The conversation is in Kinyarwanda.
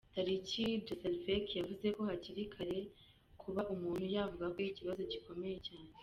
Tarik Jasarevic yavuze ko hakiri kare kuba umuntu yavuga ko ikibazo gikomeye cyane.